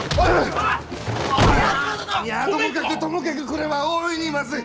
平八郎殿！いやともかくともかくこれは大いにまずい！